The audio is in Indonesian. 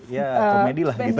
mereka udah komedi lah gitu